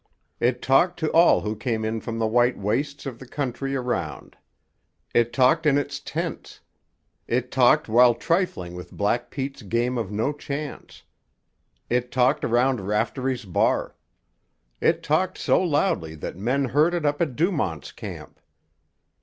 It talked to all who came in from the white wastes of the country around. It talked in its tents. It talked while trifling with Black Pete's games of no chance. It talked around Raftery's bar. It talked so loudly that men heard it up at Dumont's Camp.